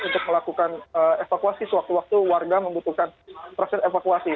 untuk melakukan evakuasi sewaktu waktu warga membutuhkan proses evakuasi